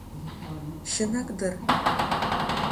Чынак дыр.